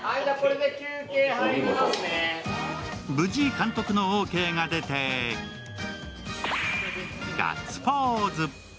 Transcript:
無事監督のオーケーが出て、ガッツポーズ。